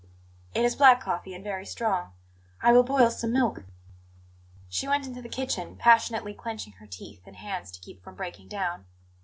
"It is black coffee, and very strong. I will boil some milk." She went into the kitchen, passionately clenching her teeth and hands to keep from breaking down.